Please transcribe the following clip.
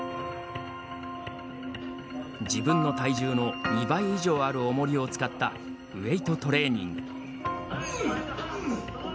自分の体重の２倍以上あるおもりを使ったウエイトトレーニング。